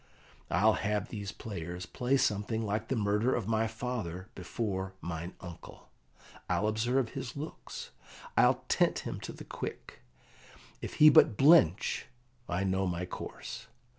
I'll have these players play something like the murder of my father before mine uncle; I'll observe his looks; I'll tent him to the quick; if he but blench, I know my course.